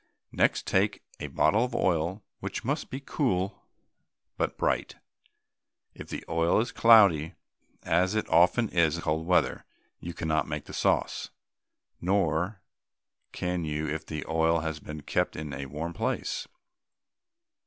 Next take a bottle of oil, which must be cool but bright; if the oil is cloudy, as it often is in cold weather, you cannot make the sauce. Nor can you if the oil has been kept in a warm place.